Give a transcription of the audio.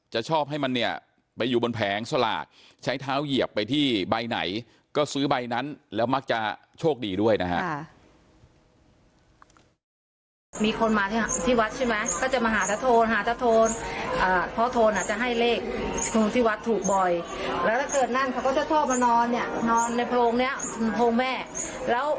ชอบให้มันเนี่ยไปอยู่บนแผงสลากใช้เท้าเหยียบไปที่ใบไหนก็ซื้อใบนั้นแล้วมักจะโชคดีด้วยนะฮะ